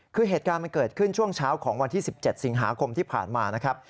คือเหตุการณ์มันเกิดขึ้นช่วงเช้าของวันที่๑๗สิงหาคมที่ผ่านมานะครับ